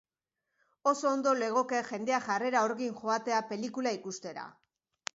Oso ondo legoke jendea jarrera horrekin joatea pelikula ikustera.